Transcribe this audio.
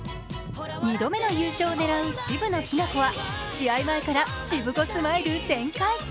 ２度目の優勝を狙う渋野日向子は、試合前からしぶこスマイル全開。